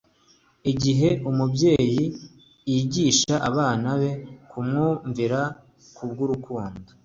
Igihe umubyeyi yigisha abana be kumwumvira kubw'urukundo,